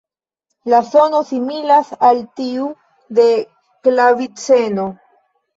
La sono similas al tiu de klaviceno.